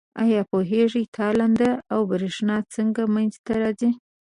آیا پوهیږئ تالنده او برېښنا څنګه منځ ته راځي؟